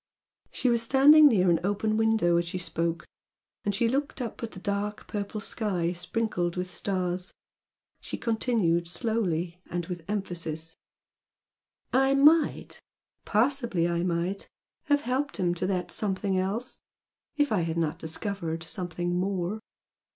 She was standing near an open window as she spoke, and she looked up at the dark purple sky sprinkled with stars. She continued slowly, and with emphasis "I might possibly I might have helped him to that something else if I had not discovered something more!"